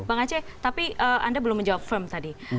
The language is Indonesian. bang aceh tapi anda belum menjawab firm tadi